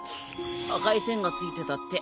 赤い線がついてたって。